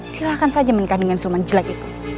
silahkan saja menikah dengan sulman jelek itu